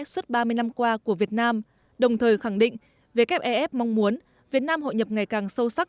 suốt ba mươi năm qua của việt nam đồng thời khẳng định wef mong muốn việt nam hội nhập ngày càng sâu sắc